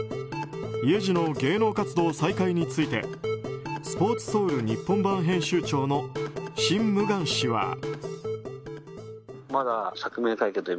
イェジの芸能活動再開についてスポーツソウル日本版編集長のシン・ムグァン氏は。